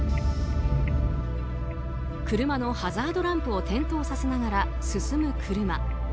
車のハザードランプを点灯させながら進む車。